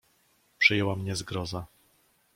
"Przejęła mnie zgroza."